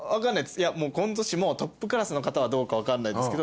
いやもうコント師もトップクラスの方はどうか分かんないですけど